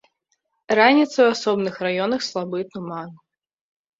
Раніцай у асобных раёнах слабы туман.